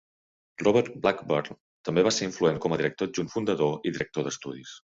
Robert Blackburn també va ser influent com a director adjunt fundador i director d'estudis.